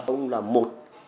ông là một